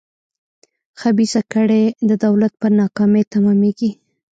خبیثه کړۍ د دولت په ناکامۍ تمامېږي.